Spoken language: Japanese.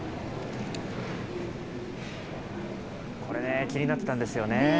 これね、気になってたんですよね。